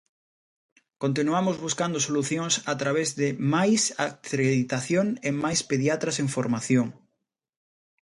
Continuamos buscando solucións a través de máis acreditación e máis pediatras en formación.